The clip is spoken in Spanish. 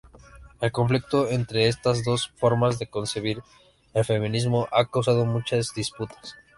El conflicto entre estas dos formas de concebir el feminismo ha causado muchas disputas.